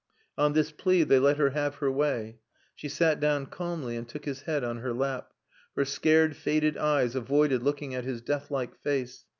On this plea they let her have her way. She sat down calmly, and took his head on her lap; her scared faded eyes avoided looking at his deathlike face.